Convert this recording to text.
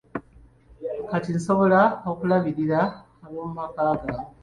Kati nsobola okulabirira ab'omumaka gange.